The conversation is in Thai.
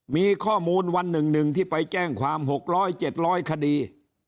มีข้อมูลวันหนึ่งที่ไปแจ้งความ๖๐๐๗๐๐คดี